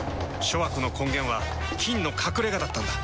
諸悪の根源は「菌の隠れ家」だったんだ。